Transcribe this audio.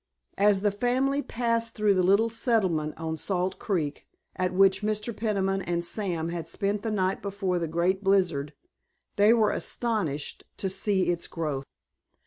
As the family passed through the little settlement on Salt Creek, at which Mr. Peniman and Sam had spent the night before the great blizzard, they were astonished to see its growth.